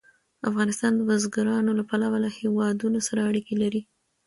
افغانستان د بزګانو له پلوه له هېوادونو سره اړیکې لري.